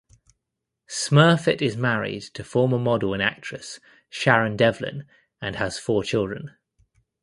Smurfit is married to former model and actress Sharon Devlin and has four children.